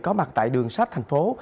các đơn vị có mặt tại đường sách thành phố